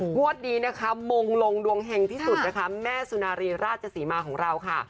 งวดนี้นะคะมงลงดวงเฮงที่สุดนะคะแม่สุนารีราชศรีมาของเราค่ะ